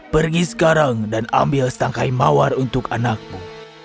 pergi sekarang dan ambil setangkai mawar untuk anakmu